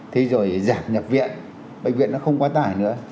thì rồi giảm nhập viện bệnh viện nó không qua tải nữa